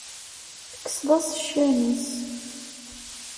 Tekkseḍ-as ccan-is.